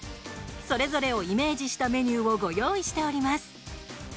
それぞれをイメージしたメニューをご用意しております。